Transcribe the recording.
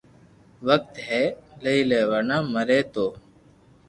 وقت ھي لئي لي ورنہ مري تو